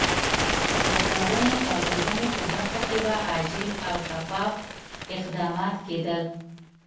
د ښوونې او روزنې په برخه کې به عاجل او شفاف اقدامات کېدل.